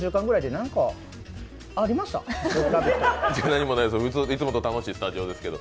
何もないです、いつもの楽しいスタジオですけど。